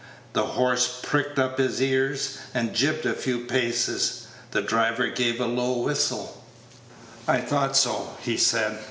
The horse pricked up his ears, and jibbed a few paces; the driver gave a low whistle. Page 122 "I thought so," he said.